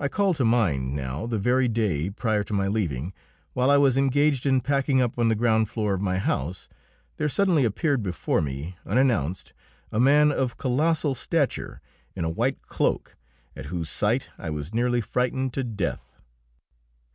I call to mind now, the very day prior to my leaving, while I was engaged in packing up on the ground floor of my house, there suddenly appeared before me, unannounced, a man of colossal stature in a white cloak, at whose sight I was nearly frightened to death.